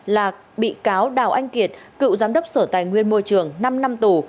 là bị cáo đào anh kiệt cựu giám đốc sở tài nguyên môi trường năm năm tù